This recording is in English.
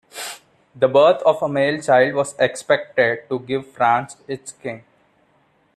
The birth of a male child was expected to give France its king.